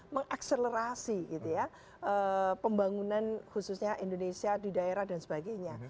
mengakselerasi gitu ya pembangunan khususnya indonesia di daerah dan sebagainya